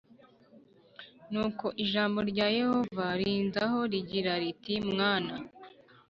Nuko ijambo rya Yehova rinzaho rigira riti mwana